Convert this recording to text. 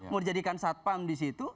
mau dijadikan satpam disitu